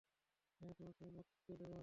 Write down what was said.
হ্যাঁ, তোমাকে মটকে দেবো?